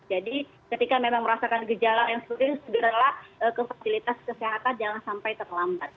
jadi ketika memang merasakan gejala yang sering segeralah ke fasilitas kesehatan jangan sampai terlambat